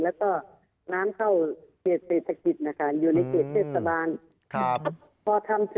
แล้วก็น้ำเข้าแตจสกิธภัยนะคะอยู่ในเกรดเจศบาน